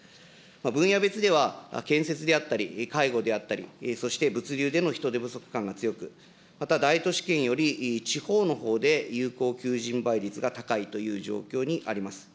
分野別では、建設であったり、介護であったり、そして、物流での人手不足感が強く、また大都市圏より地方のほうで有効求人倍率が高いという状況にあります。